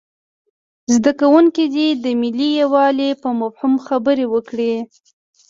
زده کوونکي دې د ملي یووالي په مفهوم خبرې وکړي.